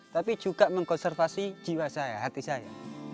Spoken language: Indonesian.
tapi juga mengkonservasi jiwa saya hati saya